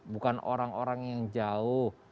bukan orang orang yang jauh